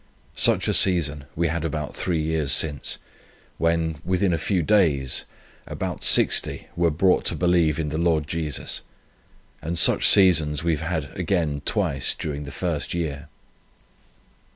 Such a season we had about three years since, when, within a few days, about 60 were brought to believe in the Lord Jesus; and such seasons we have had again twice during the first year.